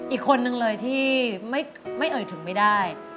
อีกคนนึงเลยที่ไม่เอ่ยถึงไม่ได้